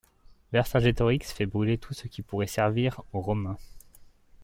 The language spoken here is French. Vercingétorix fait brûler tout ce qui pourrait servir aux Romains.